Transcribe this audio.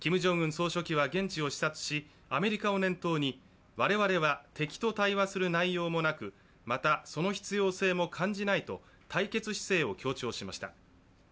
総書記は現地を視察し、アメリカを念頭に我々は敵と対話する内容もなくまた、その必要性も感じないと、対決姿勢を強調しました。